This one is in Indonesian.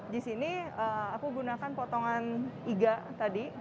di sini aku gunakan potongan iga tadi